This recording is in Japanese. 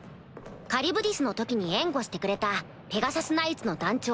カリュブディスの時に援護してくれたペガサスナイツの団長